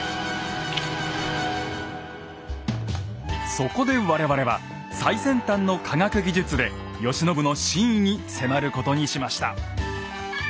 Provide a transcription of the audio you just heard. そこで我々は最先端の科学技術で慶喜の真意に迫ることにしました。